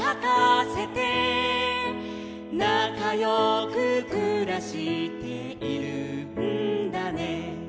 「なかよくくらしているんだね」